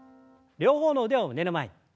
両方の腕を胸の前に。